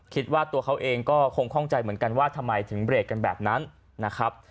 คิดว่าตัวเขาเองก็คงข้องใจเหมือนกันว่าทำไมถึงเบรกกันแบบนั้นนะครับ